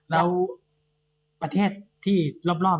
แล้วประเทศที่รอบ